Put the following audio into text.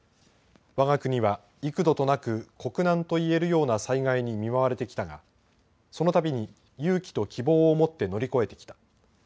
わが国は幾度となく国難と言えるような災害に見舞われてきたがそのたびに勇気と希望を持って乗り越えてきた。